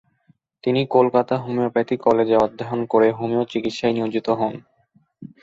তিনি কলকাতা হোমিওপ্যাথি কলেজে অধ্যয়ন করে হোমিও চিকিৎসায় নিয়োজিত হন।